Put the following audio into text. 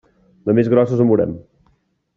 De més grosses en veurem.